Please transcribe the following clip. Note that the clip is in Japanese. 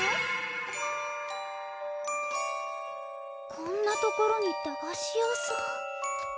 こんなところに駄菓子屋さん。